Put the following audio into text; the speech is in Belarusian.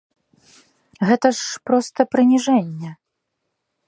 Гэта ж проста прыніжэнне.